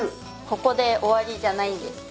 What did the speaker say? ここで終わりじゃないんですね。